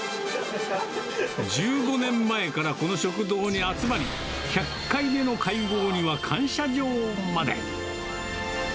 １５年前からこの食堂に集まり、１００回目の会合には感謝状まで。